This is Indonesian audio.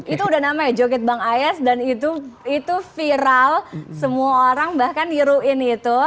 itu udah namanya joget bang ais dan itu viral semua orang bahkan niruin itu